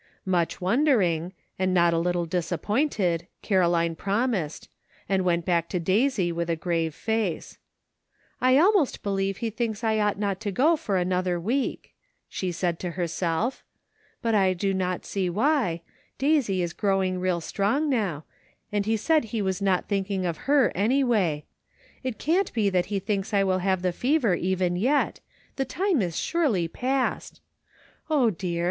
Much wondering, and not a little disappointed, Caroline promised, and went back to Daisy, with a grave face. " I almost believe he thinks I ought not to go for another week," she said to herself, " but I do not see why ; Daisy is growing real strong now, and he said he was not thinking of her, any way; it can't be that he thinks I will have the fever even yet ; the time is surely past! O, dear!